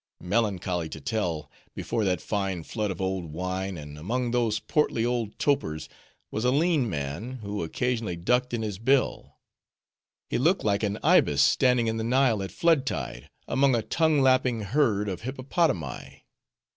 Melancholy to tell, before that fine flood of old wine, and among those portly old topers, was a lean man; who occasionally ducked in his bill. He looked like an ibis standing in the Nile at flood tide, among a tongue lapping herd of hippopotami.